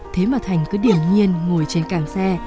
thế mà thành cứ điềm nhiên ngồi trên càng xe